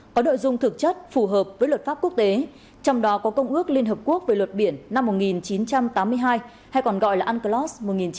có nội dung thực chất phù hợp với luật pháp quốc tế trong đó có công ước liên hợp quốc về luật biển năm một nghìn chín trăm tám mươi hai hay còn gọi là unclos một nghìn chín trăm tám mươi hai